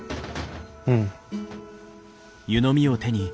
うん。